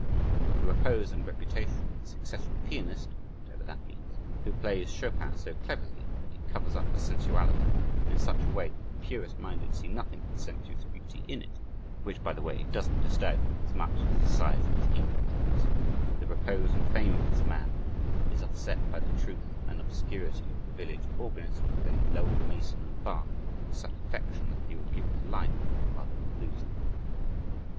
The repose and reputation of a successful pianist (whatever that means) who plays Chopin so cleverly that he covers up a sensuality, and in such a way that the purest minded see nothing but sensuous beauty in it, which, by the way, doesn't disturb him as much as the size of his income tax the repose and fame of this man is offset by the truth and obscurity of the village organist who plays Lowell Mason and Bach with such affection that he would give his life rather than lose them.